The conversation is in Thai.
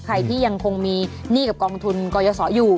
ใครที่ยังคงมีหนี้กับกองทุนกรยศอยู่